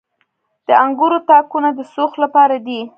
د انګورو تاکونه د سوخت لپاره دي.